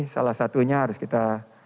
salah satunya harus kita